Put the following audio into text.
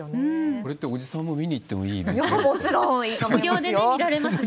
これって、おじさんも見に行ってもいいんですかね？